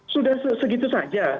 sudah segitu saja